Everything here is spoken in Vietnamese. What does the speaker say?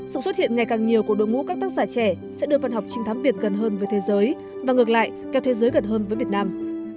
sự xuất hiện ngày càng nhiều của đội ngũ các tác giả trẻ sẽ đưa văn học trinh thám việt gần hơn với thế giới và ngược lại kéo thế giới gần hơn với việt nam